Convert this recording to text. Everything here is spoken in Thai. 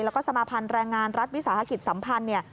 แล้วก็สมาภัณฑ์แรงงานรัฐวิสาหกิจสัมพันธ์เนี่ย